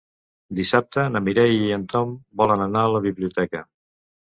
Dissabte na Mireia i en Tom volen anar a la biblioteca.